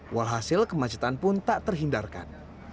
walhasil kemacetan pun tak terhindarkan